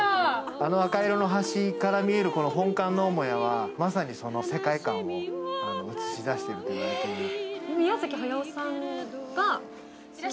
あの赤色の橋から見える本館の母屋はまさに、その世界観を映し出していると言われています。